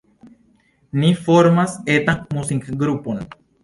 Ni formas etan muzikgrupon.